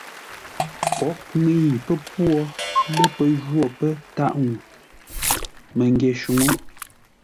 Pwoghʼ ŋəi pə́pwó lə́ pə́ jwó pə́ tâʼ ŋuu məngyě shúŋə́.